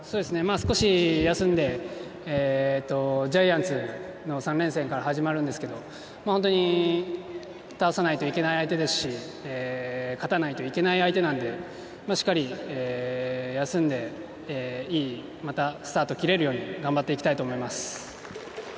少し休んでジャイアンツの３連戦から始まるんですけど本当に倒さないといけない相手ですし勝たないといけない相手なのでしっかり休んでいいスタートを切れるように頑張っていきたいと思います。